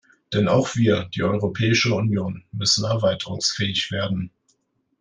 Denn auch wir, die Europäische Union, müssen erweiterungsfähig werden.